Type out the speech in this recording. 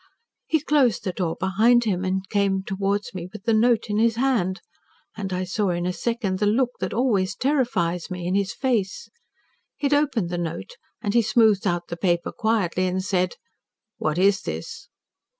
"He closed the door behind him and came towards me with the note in his hand. And I saw in a second the look that always terrifies me, in his face. He had opened the note and he smoothed out the paper quietly and said, 'What is this?'